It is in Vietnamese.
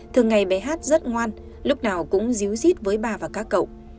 thường ngày bé hát rất ngoan lúc nào cũng díu xít với bà và các cậu